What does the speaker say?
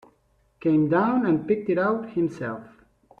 Came down and picked it out himself.